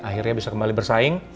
akhirnya bisa kembali bersaing